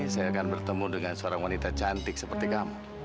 saya akan bertemu dengan seorang wanita cantik seperti kamu